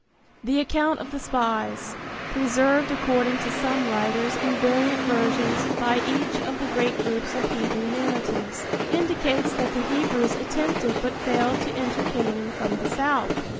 The account of the spies, preserved according to some writers in variant versions by each of the great groups of Hebrew narratives, indicates that the Hebrews attempted but failed to enter Canaan from the south.